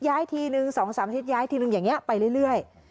ทีนึง๒๓อาทิตย์ย้ายทีนึงอย่างนี้ไปเรื่อย